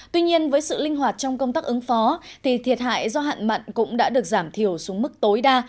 tuy nhiên với sự linh hoạt trong công tác ứng phó thì thiệt hại do hạn mặn cũng đã được giảm thiểu xuống mức tối đa